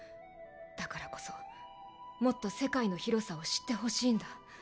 だからこそもっと世界の広さを知ってほしいんだ